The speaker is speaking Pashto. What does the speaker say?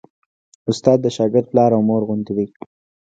استاد د شاګرد پلار او مور غوندې دی.